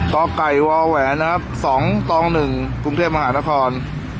ก็ไก่วาแหวนนะครับสองตองหนึ่งกรุงเทพมหานคร